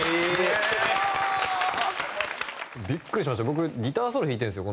僕ギターソロ弾いてるんですよ